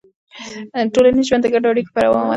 ټولنیز ژوند د ګډو اړیکو په دوام ولاړ وي.